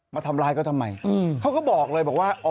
มาทำร้ายเขาทำไมเขาก็บอกเลยบอกว่า